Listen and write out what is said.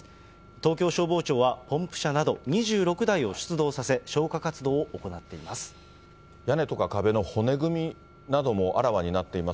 東京消防庁は、ポンプ車など、２６台を出動させ、消火活動を行っています。